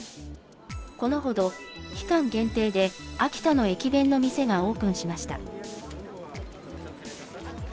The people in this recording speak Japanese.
このほど、期間限定で秋田の駅弁の店がオープンしました。